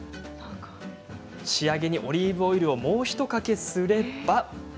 仕上げにオリーブオイルをもう一かけすれば。